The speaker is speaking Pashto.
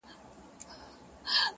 په ځنگله كي سو دا يو سل سرى پاته.!